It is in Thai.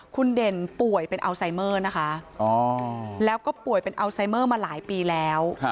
คุณเด่นป่วยเป็นอัลไซเมอร์นะคะแล้วก็ป่วยเป็นอัลไซเมอร์มาหลายปีแล้ว